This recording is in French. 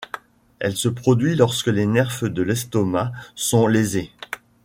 Elle se produit lorsque les nerfs de l'estomac sont lésés.